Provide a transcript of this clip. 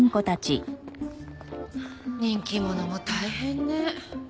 人気者も大変ね。